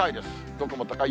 どこも高い。